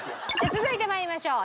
続いて参りましょう。